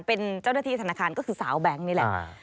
เป็นเจ้าหน้าที่ธนาคารก็คือสาวแบงค์นี่แหละ